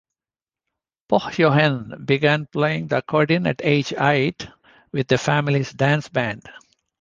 Pohjonen began playing the accordion at age eight with the family's dance band.